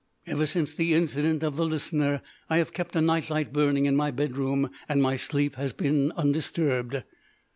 Ever since the incident of the Listener, I have kept a night light burning in my bedroom, and my sleep has been undisturbed.